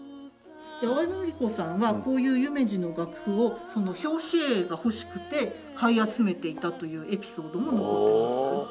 淡谷のり子さんはこういう夢二の楽譜を表紙絵が欲しくて買い集めていたというエピソードも残っています。